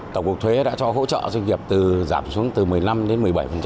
tổng cục thuế đã cho hỗ trợ doanh nghiệp giảm xuống từ một mươi năm đến một mươi bảy